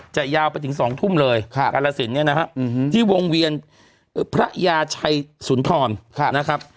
ยาวไปถึง๒ทุ่มเลยกาลสินเนี่ยนะฮะที่วงเวียนพระยาชัยสุนทรนะครับ